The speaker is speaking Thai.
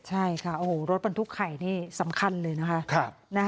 ใช่ค่ะโอ้โหรถบรรทุกไข่นี่สำคัญเลยนะคะ